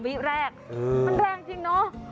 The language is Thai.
มันแรงจริงเนาะ